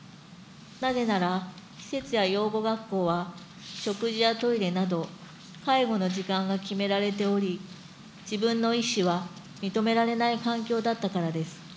なぜなら施設や養護学校は食事やトイレなど介護の時間が決められており、自分の意思は認められない環境だったからです。